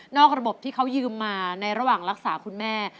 ระบบที่เขายืมมาในระหว่างรักษาคุณแม่